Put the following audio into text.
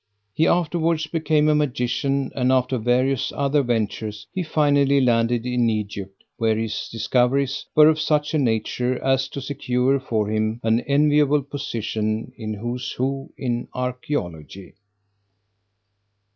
He afterwards became a magician, and after various other ventures he finally landed in Egypt, where his discoveries were of such a nature as to secure for him an enviable position in "Who's Who in Archeology."